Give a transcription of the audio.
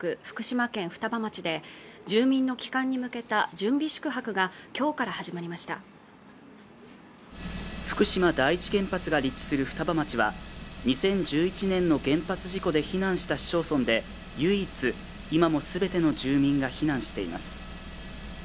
福島県双葉町で住民の帰還に向けた準備宿泊がきょうから始まりました福島第１原発が立地する双葉町は２０１１年の原発事故で避難した市町村で唯一今もすべての住民が避難しています